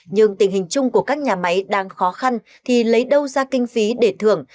nhưng tình hình chung của các nhà máy đang khó khăn thì lấy đâu ra kinh phí để thưởng